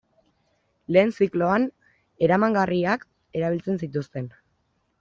Lehen zikloan eramangarriak erabiltzen zituzten.